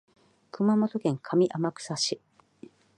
熊本県上天草市